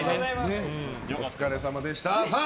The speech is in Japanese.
お疲れさまでした。